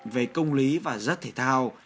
về công lý và rất thể thao